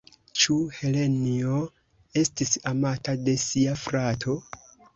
Ĉu Helenjo estis amata de sia frato?